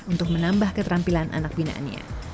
untuk menambah keterampilan anak binaannya